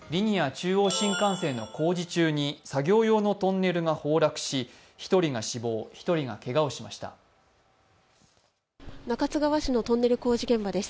中央新幹線の工事中に作業用のトンネルが崩落し１人が死亡、１人がけがをしました中津川市のトンネル工事現場です。